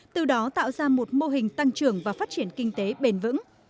từ đó tạo ra một mô hình tăng trưởng và phát triển kinh tế bền vững